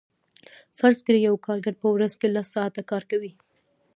فرض کړئ یو کارګر په ورځ کې لس ساعته کار کوي